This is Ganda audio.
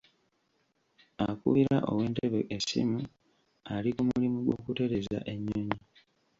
Akubira ow'e Ntebe essimu ali ku mulimu gw'okutereeza ennyonyi.